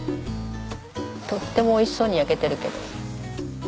とってもおいしそうに焼けてるけど。